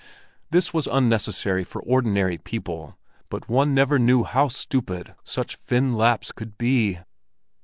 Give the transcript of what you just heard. This was unnecessary for ordinary people, but one never knew how stupid such Finn Lapps could be.